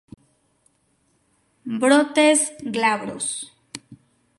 Brotes glabros.